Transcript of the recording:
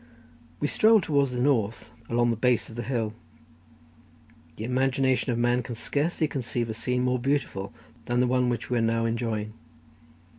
We strolled towards the north along the base of the hill. The imagination of man can scarcely conceive a scene more beautiful than the one which we were now enjoying.